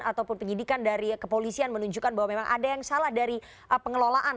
ataupun penyidikan dari kepolisian menunjukkan bahwa memang ada yang salah dari pengelolaan